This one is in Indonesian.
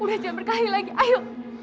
udah jangan berkahi lagi ayo